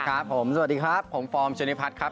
ครับว่าสวัสดีครับซันวงสธานครับ